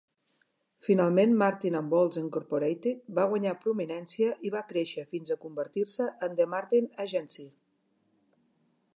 Finalment Martin and Woltz Incorporated va guanyar prominència i va créixer fins a convertir-se en The Martin Agency.